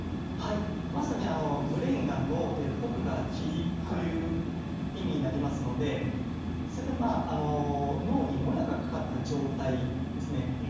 まさにブレインが脳でフォグが霧という意味になりますのでそれで脳にもやがかかった状態ですね。